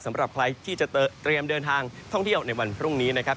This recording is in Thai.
สำหรับใครที่จะเตรียมเดินทางท่องเที่ยวในวันพรุ่งนี้นะครับ